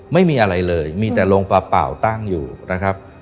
ไม่มีอะไรเลยมีแต่โรงปลาเปล่าตั้งอยู่นะครับ